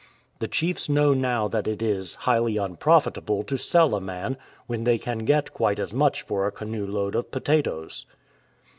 The K 145 TRANSFORMATION chiefs know now that it is *' highly unprofitable to sell a man, when they can get quite as much for a canoe load of potatoes.